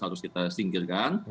harus kita singkirkan